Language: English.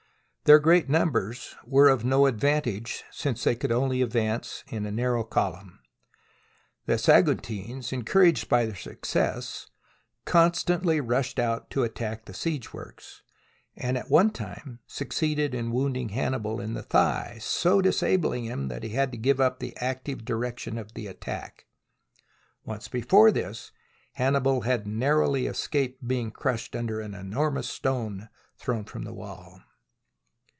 Their great numbers were of no advantage, since they could advance only in a narrow column. The Saguntines, encouraged by their success, constantly rushed out to attack the siege works, and at one time succeeded in wounding Hannibal in the thigh, so disabling him that he had to give up the active direction of the attack. Once before this, Hannibal had narrowly escaped being crushed under an enor mous stone thrown from the wall.